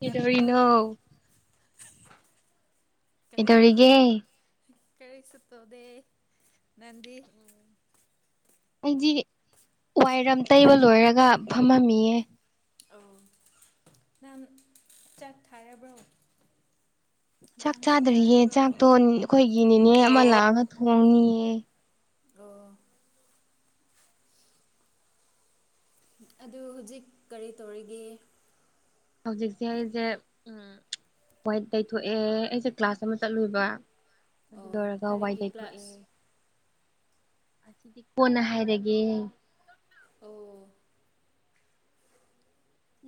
ꯀꯗꯔꯤꯅꯣ ꯇꯥꯕ꯭ꯔꯣ ꯀꯔꯤ ꯀꯩꯗꯧꯔꯤꯒꯦ ꯀꯔꯤꯁꯨꯗꯦ ꯅꯗꯤ ꯑꯩꯗꯤ ꯋꯥꯏꯔꯝ ꯇꯩꯕ ꯂꯣꯏꯔꯒ ꯐꯝꯃꯝꯃꯤꯌꯦ ꯑ ꯅꯍꯥꯟ ꯆꯥꯛ ꯊꯥꯔꯕ꯭ꯔꯣ ꯆꯥꯛ ꯂꯟꯁ ꯆꯥꯗ꯭ꯔꯤꯌꯦ ꯆꯥꯔꯕ꯭ꯔꯣ ꯆꯥꯛꯇꯣ ꯑꯩꯈꯣꯏꯒꯤꯅꯦꯦꯅꯦ ꯑꯃ ꯂꯥꯛꯑꯒ ꯊꯣꯡꯅꯤꯌꯦ ꯑ ꯑꯗꯨ ꯍꯧꯖꯤꯛ ꯀꯔꯤ ꯇꯧꯔꯤꯒꯦ꯫ ꯍꯧꯖꯤꯛꯁꯦ ꯑꯩꯁꯦ꯫ ꯎꯝ ꯌꯥꯏ ꯇꯩꯊꯣꯛꯑꯦ ꯑꯩꯁꯦ ꯀ꯭ꯂꯥꯁ ꯑꯃ ꯆꯠꯂꯨꯕ꯫ ꯑꯗꯨ ꯑꯣ ꯂꯣꯏꯔꯒ ꯋꯥꯏ ꯀꯔꯤꯒꯤ ꯇꯩꯊꯣꯛꯑꯦ꯫ ꯀ꯭ꯂꯥꯁ ꯁꯤꯗꯤ ꯀꯣꯟꯅ ꯍꯥꯏꯔꯒꯦ ꯑꯣ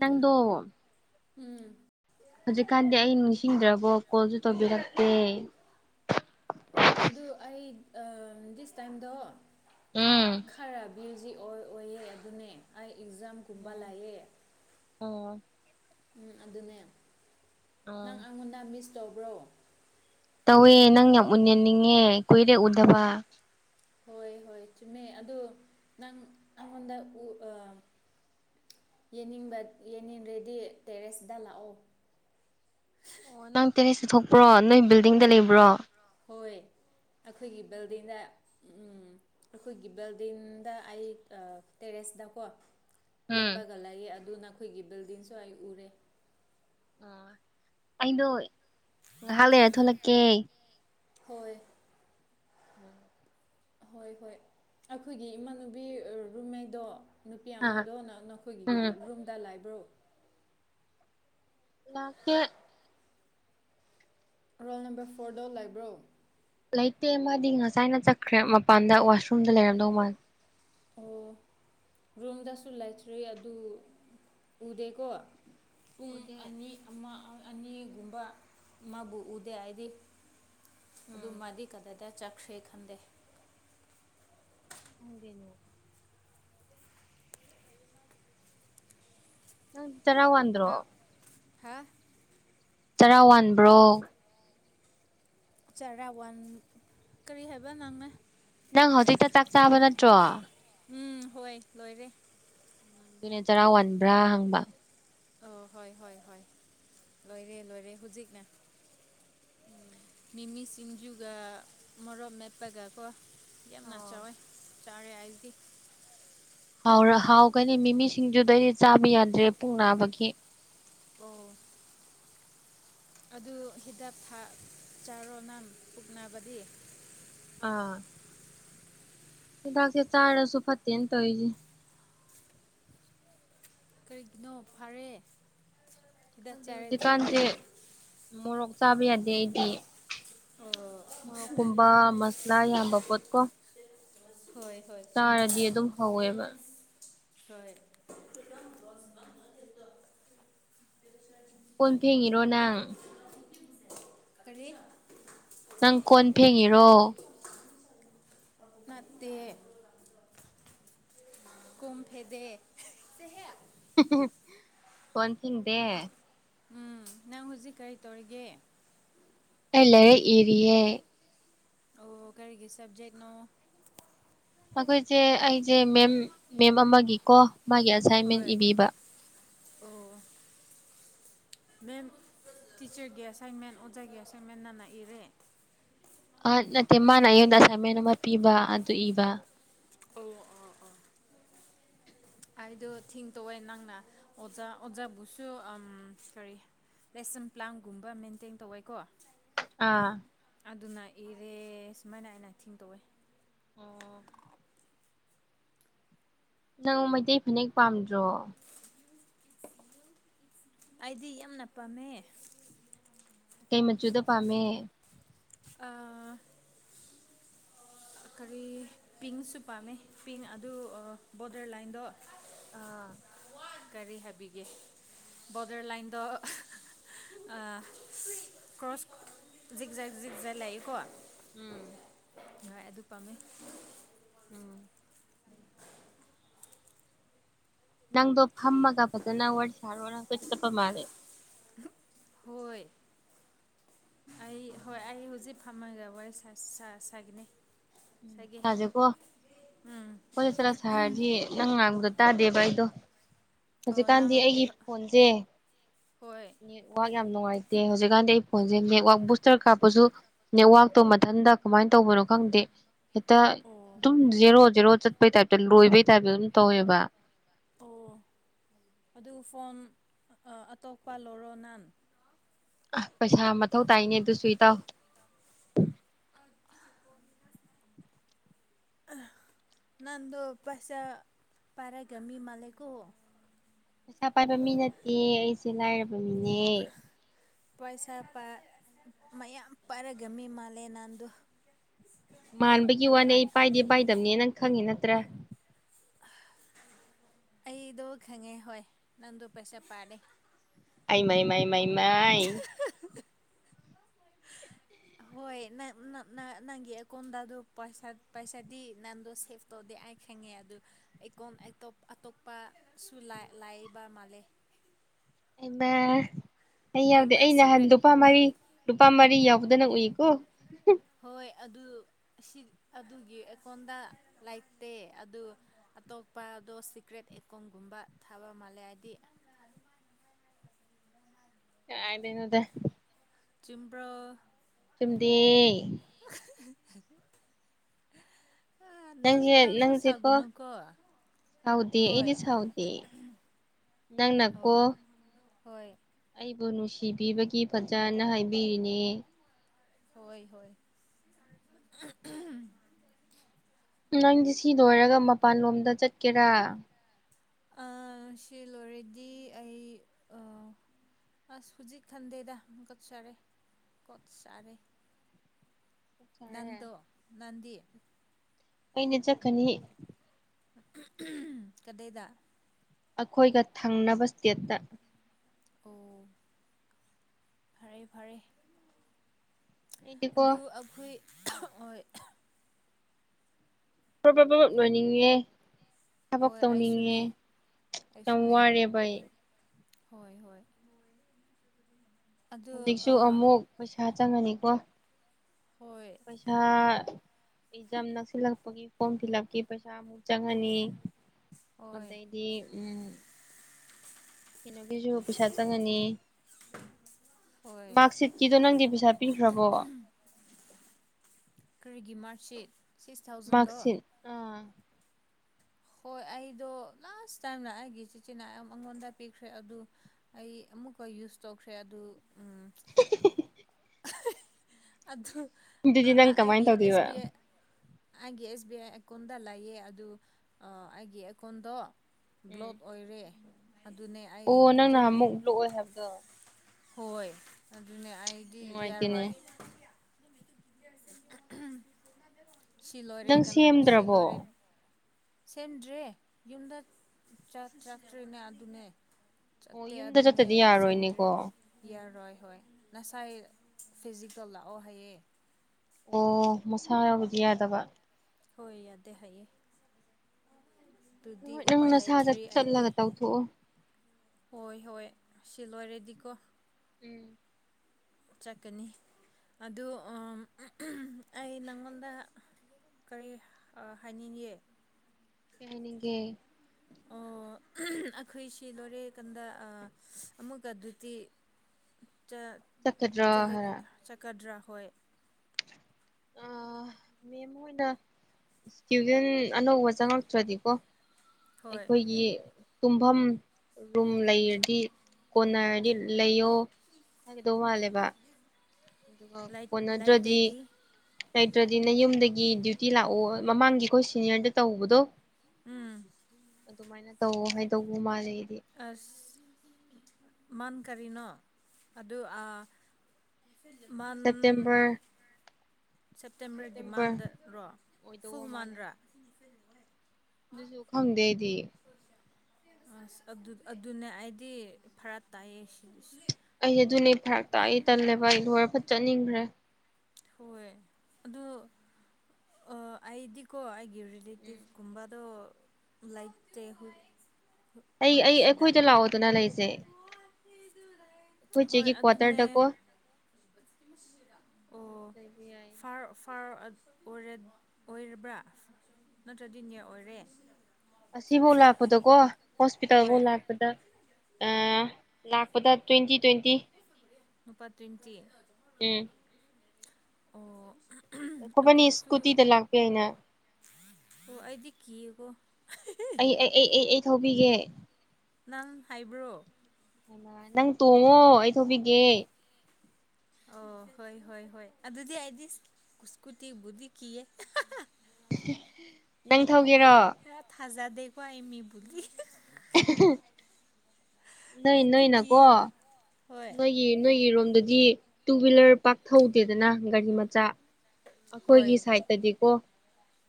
ꯅꯪꯗꯣ ꯎꯝ ꯍꯧꯖꯤꯛꯀꯥꯟꯗꯤ ꯑꯩ ꯅꯤꯡꯁꯤꯡꯗ꯭ꯔꯕꯣ ꯀꯣꯜꯁꯨ ꯇꯧꯕꯤꯔꯛꯇꯦ꯫ ꯑꯗꯨ ꯑꯩ ꯑ ꯗꯤꯁ ꯇꯥꯏꯝꯗꯣ ꯎꯝ ꯈꯔꯕꯤꯎꯁ꯫ ꯑꯣꯏ ꯑꯣꯏꯌꯦ ꯑꯗꯨꯅꯦ ꯑꯩ ꯑꯦꯛꯖꯥꯝꯒꯨꯝꯕ ꯑꯣ ꯂꯩꯑꯦ꯫ ꯑꯣ꯫ ꯎꯝ ꯑꯗꯨꯅꯦ ꯑꯣ ꯅꯪ ꯑꯩꯉꯣꯟꯗ ꯃꯤꯁ ꯇꯧꯕ꯭ꯔꯣ꯫ ꯇꯧꯋꯦ ꯅꯪ ꯌꯥꯝ ꯎꯅꯅꯤꯡꯉꯦ ꯀꯨꯏꯔꯦ ꯎꯗꯕ꯫ ꯍꯣꯏ ꯍꯣꯏ ꯆꯨꯝꯃꯦ ꯑꯗꯨ ꯅꯪ ꯑꯩꯉꯣꯟꯗ ꯎ ꯑ ꯌꯦꯅꯤꯡꯕ ꯌꯦꯅꯤꯡꯔꯗꯤ ꯇꯦꯔꯦꯁꯇ ꯂꯥꯛꯑꯣ ꯑꯣ ꯅꯪ ꯇꯦꯔꯤꯁꯇ ꯊꯣꯛꯄ꯭ꯔꯣ ꯅꯣꯏ ꯕꯤꯜꯗꯤꯡꯗ ꯂꯩꯕ꯭ꯔꯣ ꯍꯣꯏ ꯑꯩꯈꯣꯏꯒꯤ ꯕꯤꯜꯗꯤꯡꯗ ꯎꯝ ꯑꯩꯈꯣꯏꯒꯤ ꯕꯦꯜꯗꯤꯡꯗ ꯑꯩ ꯑ ꯇꯦꯔꯦꯁꯇꯀꯣ ꯎꯝ ꯂꯦꯞꯄꯒ ꯂꯩꯌꯦ ꯑꯗꯨ ꯅꯈꯣꯏꯒꯤ ꯕꯤꯜꯗꯤꯡꯁꯨ ꯑꯩ ꯎꯔꯦ ꯑꯥ ꯑꯩꯗꯣ ꯉꯥꯍꯥꯛ ꯂꯩꯔ ꯊꫭꯂꯛꯀꯦ ꯍꯣꯏ ꯎꯝ ꯍꯣꯏ ꯍꯣꯏ ꯑꯩꯈꯣꯏꯒꯤ ꯏꯃꯥꯟꯅꯕꯤ ꯔꯨꯝꯃꯦꯗꯣ꯫ ꯅꯨꯄꯤ ꯑꯥ ꯑꯃꯗꯣ ꯅꯪ ꯅꯈꯣꯏꯒꯤ ꯎꯝ ꯔꯨꯝꯗ ꯂꯥꯏꯕ꯭ꯔꯣ꯫ ꯂꯥꯛꯇꯦ꯫ ꯔꯣꯜ ꯅꯝꯕꯔ ꯐꯣꯔꯗꯣ ꯂꯩꯕ꯭ꯔꯣ꯫ ꯂꯩꯇꯦ ꯃꯥꯗꯤ ꯉꯁꯥꯏꯅ ꯆꯠꯈ꯭ꯔꯦ ꯃꯄꯥꯟꯗ ꯋꯥꯁꯔꯨꯝꯗ ꯂꯩꯔꯝꯗꯧ ꯃꯥꯜꯂꯦ꯫ ꯑꯣ ꯔꯨꯝꯗꯁꯨ ꯂꯩꯇ꯭ꯔꯤ ꯑꯗꯨ ꯎꯗꯦꯀꯣ꯫ ꯄꯨꯡ ꯎꯗꯦ ꯑꯅꯤ ꯑꯃ ꯑꯅꯤꯒꯨꯝꯕ ꯃꯥꯕꯨ ꯎꯗꯦ ꯑꯩꯗꯤ꯫ ꯑꯗꯨ ꯎꯝ ꯃꯥꯗꯤ ꯀꯗꯥꯏꯗ ꯆꯠꯈ꯭ꯔꯦ ꯈꯟꯗꯦ꯫ [inaudible] ꯅꯪ ꯆꯔꯥ ꯋꯥꯟꯗ꯭ꯔ ꯇꯥꯎ ꯍꯥ ꯆꯔꯥ ꯋꯥꯟꯕ꯭ꯔꯣ ꯆꯥꯔꯥ ꯋꯥꯟ ꯀꯔꯤ ꯍꯥꯏꯕ ꯅꯪꯅ ꯅꯪ ꯍꯧꯖꯤꯛꯇ ꯆꯥꯛ ꯆꯥꯕ ꯅꯠꯇ꯭ꯔꯣ ꯎꯝ ꯍꯣꯏ ꯂꯣꯏꯔꯦ ꯑꯗꯨꯅꯦ ꯆꯔꯥ ꯋꯥꯟꯕ꯭ꯔꯥ ꯍꯪꯕ ꯑꫭ ꯍꯣꯏ ꯍꯣꯏ ꯍꯣꯏ ꯂꯣꯏꯔꯦ ꯂꯣꯏꯔꯦ ꯍꯧꯖꯤꯛꯅ ꯃꯤꯃꯤ ꯁꯤꯡꯖꯨꯒ ꯃꯣꯔꯣꯛ ꯃꯦꯠꯄꯒ ꯀꯣ ꯌꯥꯝꯅ ꯑꯣ ꯆꯥꯎꯋꯦ ꯆꯥꯔꯦ ꯑꯩꯗꯤ ꯍꯥꯎꯔ ꯍꯥꯎꯒꯅꯤ ꯃꯤꯃꯤꯁꯤꯡꯖꯨꯗꯣ ꯑꯩꯗꯤ ꯆꯥꯕ ꯌꯥꯗ꯭ꯔꯦ ꯄꯨꯛ ꯅꯥꯕꯒꯤ ꯑꯣ ꯑꯗꯨ ꯍꯤꯗꯥꯛ ꯊꯥ ꯆꯥꯔꯣꯅꯝ ꯄꯨꯛ ꯅꯥꯕꯗꯤ ꯑꯥ ꯍꯤꯗꯥꯛꯁꯦ ꯆꯥꯔꯁꯨ ꯐꯠꯇꯦꯅꯦ ꯇꯧꯖꯦ ꯀꯔꯤꯒꯤꯅꯣ ꯐꯔꯦ ꯍꯤꯗꯥꯛ ꯈꯪꯗꯦ ꯆꯥꯔꯗꯤ ꯍꯧꯖꯤꯛꯀꯥꯟꯁꯦ ꯐꯔꯦ ꯃꯣꯔꯣꯛ ꯆꯥꯕ ꯌꯥꯗꯦ ꯑꯩꯗꯤ ꯑꯣ ꯃꯣꯔꯣꯛꯀꯨꯝꯕ ꯃꯁꯂꯥ ꯌꯥꯝꯕ ꯄꯣꯠ ꯀꯣ ꯍꯣꯏ ꯍꯣꯏ ꯆꯨꯝꯃꯦ [unintelligible] ꯑꯗꯨꯝ ꯍꯧꯋꯦꯕ ꯍꫭꯏ [unintelligible] ꯀꯣꯟ ꯐꯦꯡꯉꯤꯔꯣ ꯅꯪ [unintelligible] ꯀꯔꯤ ꯅꯪ ꯀꯣꯟ ꯐꯦꯡꯉꯤꯔꯣ ꯅꯠꯇꯦ ꯀꫭꯝꯐꯦꯗꯦ [unintelligible] ꯀꯣꯟ ꯐꯤꯡꯗꯦ ꯎꯝ ꯅꯪ ꯍꯧꯖꯤꯛ ꯀꯔꯤ ꯇꯧꯔꯤꯒꯦ ꯑꯩ ꯂꯥꯏꯔꯤꯛ ꯏꯔꯤꯑꯦ ꯑꯣ ꯀꯔꯤꯒꯤ ꯁꯕꯖꯦꯛ ꯅꯣ ꯃꯈꯣꯏꯁꯦ ꯑꯩꯖꯦ ꯃꯦꯝ ꯃꯦꯝ ꯑꯃꯒꯤꯀꯣ ꯃꯥꯒꯤ ꯑꯦꯁꯥꯏꯟꯃꯦꯟ ꯍꯣꯏ ꯏꯕꯤꯕ ꯑꯣ ꯃꯦꯝ ꯇꯤꯆꯔꯒꯤ ꯑꯦꯁꯥꯏꯟꯃꯦꯟ ꯑꯣꯖꯥꯒꯤ ꯑꯦꯁꯥꯏꯟꯃꯦꯟꯅ ꯅꯩꯔꯦ ꯑ ꯅꯠꯇꯦ ꯃꯥꯅ ꯑꯩꯉꯣꯟꯗ ꯑꯁꯥꯏꯟꯃꯦꯟ ꯑꯃ ꯄꯤꯕ ꯑꯗꯨ ꯏꯕ ꯑꯣ ꯑꯣꯥ ꯑꯥ [inaudible] ꯑꯩꯗꯣ ꯊꯤꯡ ꯇꯧꯑꯣꯦ ꯅꯪꯅ ꯑꯣꯖꯥ ꯑꯣꯖꯥꯕꯨꯁꯨ ꯀꯔꯤ ꯔꯦꯁꯟ ꯄ꯭ꯂꯥꯟꯒꯨꯝꯕ ꯃꯦꯟꯇꯦꯟ ꯇꯧꯋꯏꯀꯣ ꯑꯥ ꯑꯗꯨꯅ ꯏꯔꯦ ꯁꯨꯃꯥꯏꯅ ꯑꯩꯅꯛꯊꯤꯡ ꯇꯧꯋꯦ ꯑꯣ ꯅꯪ ꯃꯩꯇꯩ ꯐꯅꯦꯛ ꯄꯥꯝꯗ꯭ꯔꯣ ꯑꯩꯗꯤ ꯌꯥꯝꯅ ꯄꯥꯝꯃꯦ ꯀꯩ ꯃꯆꯨꯗ ꯄꯥꯝꯃꯤ ꯑꯥ ꯀꯔꯤ ꯄꯤꯡꯁꯨ ꯄꯥꯝꯃꯦ ꯄꯤꯡ ꯑꯗꯨ ꯕꯣꯔꯗꯔ ꯂꯥꯏꯟꯗꯣ ꯑꯥ ꯀꯔꯤ ꯍꯥꯏꯕꯤꯒꯦ ꯕꯣꯗꯔ ꯂꯥꯏꯟꯗꯣ ꯑꯥ ꯀ꯭ꯔꯣꯁ ꯖꯤꯛ ꯖꯦꯛ ꯖꯤꯛ ꯖꯦ ꯂꯩꯀꯣ ꯎꯝ ꯌꯥꯏ ꯑꯗꯨ ꯄꯥꯝꯃꯤ ꯎꯝ ꯅꯪꯗꯣ ꯐꯝꯃꯒ ꯐꯖꯅ ꯋꯥꯔꯤ ꯁꯥꯔꯣ ꯑꯩꯈꯣꯏꯁꯨ ꯆꯠꯄ ꯃꯥꯜꯂꯦ ꯍꯣꯏ ꯑꯩ ꯍꯣꯏ ꯑꯩ ꯍꯧꯖꯤꯛ ꯐꯝꯃꯒ ꯋꯥꯔꯤ ꯁꯥꯒꯅꯤ ꯁꯒꯤꯦ ꯁꯥꯁꯦꯀꯣ ꯎꯝ ꯀꯣꯏꯆꯠ ꯆꯠꯂ ꯁꯥꯔꯗꯤ ꯅꯪ ꯉꯥꯡꯗꯣ ꯇꯥꯗꯦꯕ ꯑꯩꯗꯣ ꯑꯣ ꯍꯧꯖꯤꯛꯀꯥꯟꯗꯤ ꯅꯪ ꯑꯩꯒꯤ ꯐꯣꯟꯁꯦ ꯍꯣꯏ ꯠꯋꯥꯛ ꯌꯥꯝ ꯅꯨꯡꯉꯥꯏꯇꯦ ꯍꯧꯖꯤꯛꯀꯥꯟꯗꯤ ꯑꯩ ꯐꯣꯟꯁꯦ ꯅꯦꯠꯋꯥꯛ ꯕꯨꯁꯇꯔ ꯀꯥꯞꯄꯁꯨ ꯅꯦꯠꯋꯥꯛꯇꯣ ꯃꯊꯟꯇ ꯀꯃꯥꯏꯅ ꯇꯧꯕꯅꯣ ꯈꯪꯗꯦ ꯍꯦꯛꯇ ꯑꯣ ꯑꯗꯨꯝ ꯖꯦꯔꯣ ꯖꯦꯔꯣ ꯆꯠꯄꯩ ꯇꯥꯏꯞꯇ ꯂꯣꯏꯕꯩ ꯇꯥꯏꯞꯇ ꯑꯗꯨꯝ ꯇꯧꯋꯦꯕ ꯑꯣ ꯑꯗꯨ ꯐꯣꯟ ꯑꯇꯣꯞꯄ ꯂꯧꯔꯣ ꯅꯍꯥꯟ ꯑ ꯄꯩꯁꯥ ꯃꯊꯧ ꯇꯥꯏꯅꯦ ꯑꯗꯨꯁꯨ ꯏꯇꯥꯎ ꯅꯪꯗꯨ ꯄꯩꯁꯥ ꯄꯔꯦꯒ ꯃꯤ ꯃꯥ ꯂꯩꯀꯣ ꯏꯁꯥ ꯄꯥꯏꯕ ꯃꯤ ꯅꯠꯇꯦ ꯑꯩꯁꯦ ꯂꯥꯏꯔꯕ ꯃꯤꯅꯦ ꯄꯩꯁꯥ ꯃꯌꯥꯝ ꯄꯥꯏꯔꯒ ꯃꯤ ꯃꯥꯜꯂꯦ ꯅꯍꯥꯟꯗꯣ ꯃꯥꯟꯕꯒꯤ ꯋꯥꯅꯦ ꯑꯩ ꯄꯥꯏꯗꯤ ꯄꯥꯏꯗꯕꯅꯦ ꯅꯪ ꯈꯪꯉꯤ ꯅꯠꯇ꯭ꯔ ꯑꯩꯗꯣ ꯈꯪꯉꯦ ꯍꯣꯏ ꯅꯪꯗꯣ ꯄꯩꯁꯥ ꯄꯥꯢꯔꯦ ꯑꯩ ꯃꯥꯏ ꯃꯥꯏ ꯃꯥꯏ ꯃꯥꯏ ꯍꯣꯏ ꯅꯪ ꯅꯪ ꯅꯪꯒꯤ ꯑꯦꯀꯥꯎꯟꯗ ꯑꯗꯨ ꯄꯁꯥ ꯄꯩꯁꯥꯗꯤ ꯅꯪꯗꯣ ꯁꯦꯞ ꯇꯣꯗꯤ ꯑꯩ ꯈꯪꯉꯦ ꯑꯗꯨ ꯑꯩ ꯀꯣꯟ ꯑꯇꯣꯞ ꯑꯇꯣꯞꯄꯁꯨ ꯂꯥꯛ ꯂꯥꯛꯑꯦꯕ ꯃꯥꯜꯂꯦ ꯃ ꯑꯩ ꯌꯥꯎꯗꯦ ꯅꯪꯅ ꯑꯩ ꯅꯍꯥꯟ ꯁꯤꯀ꯭ꯔꯦꯠ ꯂꯨꯄꯥ ꯃꯔꯤ ꯂꯨꯄꯥ ꯃꯔꯤ ꯌꯥꯎꯕꯗꯣ ꯅꯪ ꯎꯏꯀꯣ ꯍꯣꯏ ꯑꯗꯨ ꯑꯗꯨꯒꯤ ꯑꯩꯀꯣꯟꯗ ꯂꯩꯇꯦ ꯑꯗꯨ ꯑꯇꯣꯞꯄꯗꯣ ꯁꯤꯀ꯭ꯔꯦꯠ ꯑꯦꯀꯣꯣꯡꯒꯨꯝꯕ ꯊꯥꯕ ꯃꯥꯜꯂꯦ ꯍꯥꯏꯗꯤ ꯗꯦꯅꯗ ꯆꯤꯝꯕ꯭ꯔꯥ ꯆꯨꯝꯗꯦ [unintelligible] ꯑ ꯅ ꯅꯪꯁꯦ ꯅꯥꯟꯁ ꯁꯒꯨꯅꯨ ꯀꯣ ꯁꯎꯗꯦ ꯑꯩꯗꯤꯁ ꯁꯎꯗꯦ ꯑꯣ ꯍꯣꯏ ꯑꯩꯕꯨ ꯅꯨꯡꯁꯤꯕꯤꯕꯒꯤ ꯐꯖꯅ ꯍꯥꯏꯕꯤꯔꯤꯅꯦ ꯍꯣꯏ ꯍꯣꯏ [unintelligible] ꯅꯪꯗꯤ ꯁꯤ ꯂꯣꯏꯔꯒ ꯃꯄꯥꯟꯂꯣꯝꯗ ꯆꯠꯀꯦꯔꯥ ꯑ ꯁꯤ ꯂꯣꯏꯔꯗꯤ ꯑꯩ ꯑ ꯑꯁ ꯍꯧꯖꯤꯛ ꯈꯟꯗꯦꯗ ꯑꯃꯨꯛꯀꯠ ꯁꯥꯔꯦ ꯀꯣꯠ ꯁꯥꯔꯦ ꯆꯠꯆꯔꯦ ꯅꯟꯗꯣ ꯅꯟꯗꯤ ꯑꯩꯅ ꯆꯠꯀꯅꯤ ꯀꯗꯥꯏꯗ ꯑꯩꯈꯣꯏꯒ ꯊꯪꯅꯕ ꯏꯁꯇꯦꯠꯇ ꯑꯣ ꯐꯔꯦ ꯐꯔꯦ ꯑꯩꯗꯤꯀꯣ ꯑꯗꯨ ꯑꯩꯈꯣꯏ ꯑꯣꯏ ꯄꯔꯞ ꯄꯔꯞ ꯂꯣꯏꯅꯤꯡꯉꯦ ꯊꯕꯛ ꯍꯣꯏ ꯇꯧꯅꯤꯡꯉꯦ ꯑꯩꯁꯨꯅꯦ ꯌꯥꯝ ꯑꯩꯁꯨꯅꯦ ꯋꯥꯔꯦꯕ ꯑꯩ ꯍꯣꯏ ꯍꯣꯏ ꯑꯗꯨ ꯍꯧꯖꯤꯛꯁꯨ ꯑꯥ ꯑꯃꯨꯛ ꯄꯩꯁꯥ ꯆꯪꯉꯅꯤꯀꯣ ꯍꯣꯏ ꯄꯩꯁꯥ ꯑꯦꯛꯖꯥꯝ ꯅꯛꯁꯤꯜꯂꯛꯄꯒꯤ ꯐꯣꯝ ꯐꯤꯜ ꯑꯞꯀꯤ ꯄꯩꯁꯥ ꯑꯃꯨꯛ ꯆꯪꯉꯅꯤ ꯍꯣꯏ ꯑꯗꯩꯗꯤ ꯎꯝ ꯀꯩꯅꯣꯒꯤꯁꯨ ꯄꯩꯁꯥ ꯆꯪꯉꯅꯤ ꯍꯣꯏ ꯃ꯭ꯔꯛꯁꯤꯠꯀꯤꯗꯣ ꯅꯪꯗꯤ ꯄꯩꯁꯥ ꯄꯤꯈ꯭ꯔꯕꯣ ꯀꯔꯤꯒꯤ ꯃ꯭ꯔꯛꯁꯤꯠ ꯁꯤꯛꯁ ꯊꯥꯎꯖꯟꯗꯣ ꯃꯥꯔꯛꯁꯤꯠ ꯑꯥ ꯍꯣꯏ ꯑꯩꯗꯣ ꯂꯥꯁ ꯇꯥꯏꯝꯗ ꯑꯩꯒꯤ ꯆꯤꯆꯦꯅꯥ ꯑꯦꯝ ꯑꯩꯉꯣꯟꯗ ꯄꯤꯈ꯭ꯔꯦ ꯑꯗꯨ ꯑꯩ ꯑꯃꯨꯛꯀ ꯌꯨꯁ ꯇꯧꯈ꯭ꯔꯦ ꯑꯗꯨ ꯎꯝ ꯑꯗꯨ ꯑꯗꯨꯗꯤ ꯅꯪ ꯑꯩꯒꯤ ꯀꯃꯥꯏꯅ ꯑꯦꯁ ꯇꯧꯗꯣꯏꯕ ꯕꯤ ꯑꯦ ꯑꯩꯒꯤ ꯑꯦꯁ ꯕꯤ ꯑꯥꯏ ꯑꯦꯀꯥꯎꯟꯗ ꯂꯥꯛꯌꯦ ꯑꯗꯨ ꯑ ꯑꯩꯒꯤ ꯑꯦꯀꯥꯎꯟꯗꯣ ꯎꯝ ꯕ꯭ꯣꯂꯣꯛ ꯑꯣꯏꯔꯦ ꯑꯗꯨꯅꯦ ꯑꯩ ꯑꯣ ꯅꯪ ꯍꯧꯖꯤꯛ ꯅꯍꯟ ꯑꯃꯨꯛ ꯕꯣ꯭ꯂꯣꯛꯑꯣꯢ ꯍꯥꯏꯕꯗꯣ ꯍꯣꯏ ꯑꯗꯨꯅꯦ ꯑꯩꯗꯤ ꯅꯨꯡꯉꯥꯏꯇꯦꯅꯦ ꯌꯥꯔꯣꯏ [unintelligible] ꯅꯪ ꯁꯤꯂꯣꯔꯦꯒꯟ ꯁꯦꯝꯗ꯭ꯔꯕꯣ ꯁꯤꯂꯣꯔ ꯁꯦꯝꯗ꯭ꯔꯦ ꯌꯨꯝꯗ ꯆꯛꯇ꯭ꯔꯦꯅꯦ ꯑꯗꯨꯅꯦ ꯑꯣ ꯆꯠꯇꯦ ꯌꯨꯝꯗ ꯑꯗꯨꯅꯦ ꯆꯠꯇꯗꯤ ꯁꯦꯝꯗ꯭ꯔꯦ ꯌꯥꯔꯣꯏꯅꯦꯀꯣ ꯌꯥꯔꯣꯏ ꯍꯣꯏ ꯉꯁꯥꯏ ꯐꯤꯖꯤꯛꯇꯣ ꯂꯥꯛꯑꯣ ꯍꯥꯏꯌꯦ ꯑꯣ ꯃꯁꯥ ꯌꯥꯎꯕꯗꯤ ꯌꯥꯗꯕ ꯍꯣꯏ ꯌꯥꯗꯦ ꯍꯥꯏꯌꯦ ꯑꯗꯨꯗꯤ ꯍꯣꯏ ꯅꯪ ꯎꯄꯥꯏ ꯅꯁꯥꯗ ꯂꯩꯇ꯭ꯔꯤ ꯑꯩꯗꯤ ꯆꯠꯂꯒ ꯇꯧꯊꯣꯛꯑꯣ ꯍꯣꯏ ꯍꯣꯏ ꯁꯤ ꯂꯣꯏꯔꯦꯗꯤꯀꯣ ꯎꯝ ꯆꯠꯀꯅꯤ ꯑꯗꯨ ꯑꯩ ꯅꯪꯉꯣꯟꯗ ꯀꯔꯤ ꯍꯥꯏꯅꯤꯡꯌꯦ ꯀꯅꯤꯒꯦ ꯑꯣ ꯑꯩꯈꯣꯏꯁꯤ ꯂꯣꯏꯔꯦꯀꯥꯟꯗ ꯑ ꯑꯃꯨꯛꯀ ꯑꯗꯨꯗꯤ ꯆꯠ ꯆꯠꯀꯗ꯭ꯔꯥ ꯆꯠꯂꯒꯦ ꯍꯥꯏꯔ ꯆꯠꯀꯗ꯭ꯔꯥ ꯍꯣꯏ ꯃꯦꯝ ꯃꯣꯏꯅ ꯏꯁꯇ꯭ꯌꯨꯗꯦꯟ ꯑꯅꯧꯕ ꯆꯪꯉꯛꯇ꯭ꯔꯗꯤꯀꯣ ꯍꯣꯏ ꯑꯩꯈꯣꯏꯒꯤ ꯇꯨꯝꯐꯝ ꯔꯨꯝ ꯂꯩꯔꯗꯤ ꯀꯣꯟꯅꯔꯗꯤ ꯂꯩꯌꯣ ꯍꯥꯏꯒꯗꯧ ꯃꯥꯜꯂꯦꯕ ꯑꯗꯨꯒ ꯂꯩ ꯀꯣꯟꯅꯗ꯭ꯔꯗꯤ ꯂꯩꯇꯦꯗꯤ ꯂꯩꯇ꯭ꯔꯗꯤꯅ ꯌꯨꯝꯗꯒꯤ ꯗ꯭ꯌꯨꯇꯤ ꯂꯥꯛꯑꯣ ꯃꯃꯥꯡꯒꯤ ꯑꯩꯈꯣꯏ ꯁꯤꯅꯤꯌꯔꯗ ꯇꯧꯕꯗꯣ ꯎꯝ ꯑꯗꯨꯃꯥꯏꯅ ꯇꯧ ꯍꯥꯏꯗꯧꯕ ꯃꯥꯜꯂꯦꯗꯤ ꯑꯁ ꯃꯥꯟ ꯀꯔꯤꯅꯣ ꯑꯗꯨ ꯃꯥꯟ ꯁꯦꯞꯇꯦꯝꯕꯔ ꯁꯦꯞꯇꯦꯝꯕꯔꯒꯤ ꯁꯦꯞꯇꯦꯝꯕꯔ ꯃꯥꯟꯗꯔꯣ ꯑꯣꯏꯗꯧꯕ ꯐꯨꯜ ꯃꯥꯜꯂꯦ ꯃꯥꯟꯗ꯭ꯔꯥ ꯑꯗꯨꯁꯨ ꯈꯪꯗꯦꯗꯤ ꯑꯁ ꯑꯗꯨ ꯑꯗꯨꯅꯦ ꯑꯩꯗꯤ ꯐꯔ ꯇꯥꯏꯌꯦ ꯁꯤꯁ ꯑꯩꯁꯦ ꯑꯗꯨꯅꯦ ꯐꯔꯛ ꯇꯥꯛꯏꯦ ꯇꯜꯂꯦꯕ ꯑꯩ ꯂꯣꯏꯔ ꯐꯠ ꯆꯠꯅꯤꯡꯈ꯭ꯔꯦ ꯍꯣꯏ ꯑꯗꯨ ꯑꯩꯗꯤꯀꯣ ꯑꯩꯒꯤ ꯎꯝ ꯒꯤꯔꯤꯂꯦꯇꯤꯞ ꯀꯨꯝꯕꯗꯣ ꯂꯥꯏꯠ ꯇ ꯍꯨꯛ ꯑꯩ ꯑꯩ ꯑꯩꯈꯣꯏꯗ ꯂꯥꯛꯑꯣꯗꯅ ꯂꯩꯁꯦ ꯑꯩꯈꯣꯏ ꯆꯦꯒꯤ ꯀ꯭ꯋꯥꯇꯔꯗꯀꯣ ꯏꯃ ꯁꯤꯖꯤꯔꯥ ꯂꯩꯕ ꯌꯥꯏ ꯑꯣꯥ ꯑꯣꯏꯔꯕ꯭ꯔꯥ ꯅꯠꯇ꯭ꯔꯗꯤꯅꯦꯦꯛ ꯑꯣꯏꯔꯦ ꯑꯁꯤꯐꯧ ꯂꯥꯛꯄꯗꯣꯀꯣ ꯍꯣꯁꯄꯤꯇꯥꯜ ꯐꯧ ꯍꯣꯏ ꯂꯥꯛꯄ ꯂꯗ ꯂꯥꯛꯄꯗ ꯇ꯭ꯋꯦꯟꯇꯤ ꯇ꯭ꯋꯦꯟꯇꯤ ꯅꯨꯄꯥ ꯇ꯭ꯋꯦꯟꯇꯤ ꯎꯝ ꯑꯣ ꯀꯣꯄꯅꯤ ꯑꯗꯨꯁꯨ ꯁ꯭ꯀꯨꯇꯤꯗ ꯂꯥꯛꯄꯦ ꯍꯥꯏꯅ ꯑꯣ ꯑꯗꯤ ꯀꯀꯣ ꯑꯩ ꯑꯩ ꯑꯩ ꯑꯩ ꯑꯩ ꯊꯥꯎꯤꯒꯦ ꯅꯪ ꯍꯥꯏꯕ꯭ꯔꯣ ꯅꯪ ꯇꯣꯡꯉꯣ ꯑꯩ ꯊ ꯊꯣꯛꯤꯒꯦ ꯑꯣ ꯍꯣꯏ ꯍꯣꯏ ꯍꯣꯏ ꯑꯗꯨꯗꯤ ꯑꯩꯗꯤ ꯁ꯭ꯀꯨꯇꯤꯕꯨꯗꯤ ꯀꯤꯌꯦ ꯅꯪ ꯊꯧꯒꯦꯔꯣ ꯍ ꯊꯖꯗꯦꯀꯏꯃꯤꯕ ꯅꯣꯏ ꯑꯩꯗꯤ ꯅꯣꯏꯅꯀꯣ ꯀꯤꯌꯦ ꯍꯣꯏ ꯅꯣꯏ ꯏ ꯅꯣꯏꯒꯤꯔꯣꯝꯗꯗꯤ ꯇꯨ ꯋꯤꯂꯔ ꯄꯥꯛ ꯊꯧꯗꯦꯗꯅ ꯒꯥꯔꯤ ꯃꯆꯥ ꯑꯩꯈꯣꯏꯒꯤ ꯍꯣꯏ ꯁꯥꯏꯠꯇꯗꯤꯀꯣ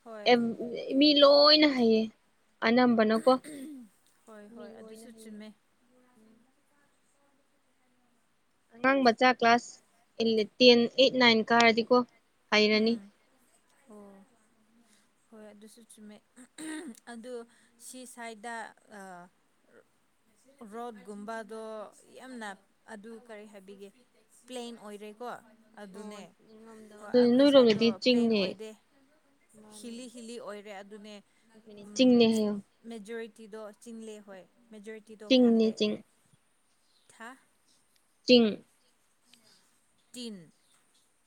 ꯍꯣꯏ ꯃꯤ ꯂꯣꯏꯅ ꯍꯩꯌꯦ ꯑꯅꯝꯕꯅꯣ ꯀꯣ ꯍꯣꯏ ꯍꯣꯏ ꯑꯗꯨꯁꯨ ꯆꯨꯝꯃꯦ ꯑꯉꯥꯡ ꯃꯆꯥ ꯀ꯭ꯂꯥꯁ ꯇꯦꯟ ꯑꯩꯠ ꯅꯥꯏꯟ ꯀꯥꯔꯗꯤꯀꯣ ꯍꯩꯔꯅꯤ ꯎꯝ ꯑꯣ ꯍꯣꯏ ꯑꯗꯨꯁꯨ ꯆꯨꯝꯃꯦ ꯑꯗꯨ ꯁꯤ ꯁ꯭ꯋꯥꯏꯗ ꯔꯣꯠꯀꯨꯝꯕꯗꯣ ꯌꯥꯝꯅ ꯑꯗꯨ ꯀꯔꯤ ꯍꯥꯏꯕꯤꯒꯦ ꯄ꯭ꯂꯦꯟ ꯑꯣꯏꯔꯦꯀꯣ ꯑꯣ ꯑꯗꯨꯅꯦ ꯉꯝꯗꯕ ꯍꯣꯏ ꯑꯗꯨ ꯑꯩꯈꯣꯏ ꯁꯥꯏꯗꯠꯇꯣ ꯅꯣꯏꯔꯣꯝꯗꯗꯤ ꯄ꯭ꯂꯦꯟ ꯆꯤꯡꯅꯦ ꯑꯣꯏꯗꯦ ꯃꯥꯅꯦ ꯍꯤꯂꯤ ꯍꯤꯂꯤ ꯑꯣꯏꯔꯦ ꯑꯗꯨꯅꯦ꯫ ꯆꯤꯡꯅꯦ ꯍꯥꯏꯌꯣ ꯃꯦꯖꯣꯔꯤꯇꯤꯗꯣ ꯆꯤꯡꯂꯦ ꯍꯣꯏ ꯃꯦꯖꯣꯔꯤꯇꯤꯗꯣ ꯆꯤꯡꯅꯦ ꯈꯟꯗꯦ꯫ ꯆꯤꯡ ꯍꯥ꯫ ꯇꯤꯡ꯫ ꯇꯤꯟ꯫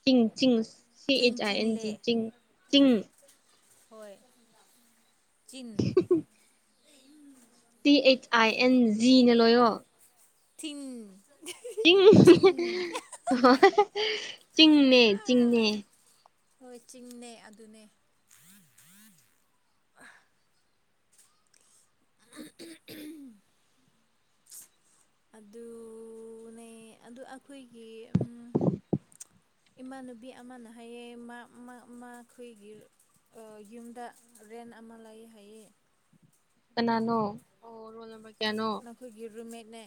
ꯇꯤꯡ ꯆꯤꯡ ꯁꯤ ꯆꯤꯡ ꯑꯩꯆ ꯑꯥꯏ ꯑꯦꯟ ꯖꯤ ꯆꯤꯡꯂꯦ ꯆꯤꯡ ꯆꯤꯡ ꯍꯣꯏ ꯆꯤꯟ ꯇꯤ ꯑꯩꯆ ꯑꯥꯏ ꯑꯦꯟ ꯖꯤꯅ ꯂꯣꯏꯌꯣ ꯊ ꯆꯤꯡ ꯆꯤꯡꯅꯦ ꯆꯤꯡꯅꯦ ꯍꯣꯏ ꯆꯤꯡꯅꯦ ꯑꯗꯨꯅꯦ [unintelligible] ꯑꯗꯨꯅꯦ ꯑꯗꯨ ꯑꯩꯈꯣꯏꯒꯤ꯫ ꯏꯃꯥꯟꯅꯕꯤ ꯑꯃꯅ ꯍꯥꯏꯌꯦ ꯃꯥ ꯃꯥꯈꯣꯏꯒꯤ꯫ ꯌꯨꯝꯗ ꯔꯦꯟ ꯑꯃ ꯂꯩ ꯍꯥꯏꯌꯦ꯫ ꯀꯅꯥꯅꯣ ꯑꯣ ꯔꯣꯜ ꯅꯝꯕꯔ ꯀꯌꯥꯅꯣ꯫ ꯅꯈꯣꯏꯒꯤ ꯔꯨꯝꯃꯦꯠꯅꯦ꯫